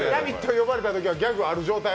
呼ばれたときにはギャグある状態？